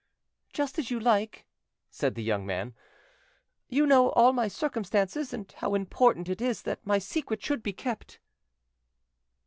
"Just as you like," said the young man; "you know all my circumstances and how important it is that my secret should be kept."